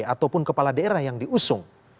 ataupun kepala daerah yang diusung